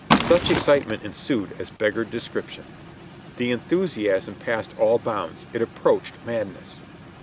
Such excitement ensued as beggared description. The enthus iasm passed all bounds ; it approached madness.